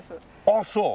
ああそう。